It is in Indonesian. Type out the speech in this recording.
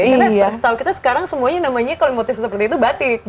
karena setahu kita sekarang semuanya namanya kalau motif seperti itu batik